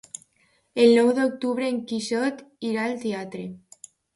El nou d'octubre en Quixot irà al teatre.